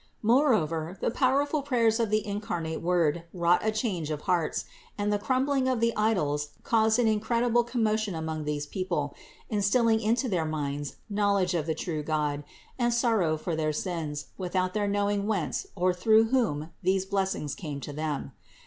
Moreover, the power ful prayers of the incarnate Word wrought a change of hearts, and the crumbling of the idols caused an incred ible commotion among these people, instilling into their minds knowledge of the true God and sorrow for their sins without their knowing whence or through whom these blessings came to them.